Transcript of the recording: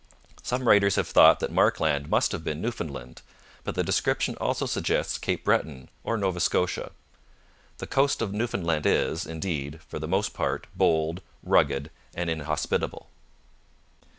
Some writers have thought that Markland must have been Newfoundland, but the description also suggests Cape Breton or Nova Scotia. The coast of Newfoundland is, indeed, for the most part, bold, rugged, and inhospitable.